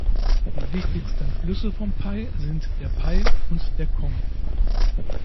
Die wichtigsten Flüsse von Pai sind der Pai und der Khong.